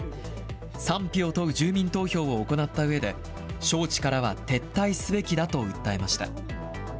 賛否を問う住民投票を行ったうえで、招致からは撤退すべきだと訴えました。